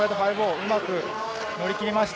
うまく乗りきりました。